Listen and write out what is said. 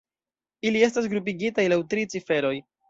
Ili estas grupigitaj laŭ tri ciferoj.